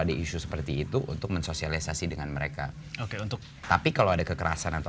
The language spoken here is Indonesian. ada isu seperti itu untuk mensosialisasi dengan mereka oke untuk tapi kalau ada kekerasan atau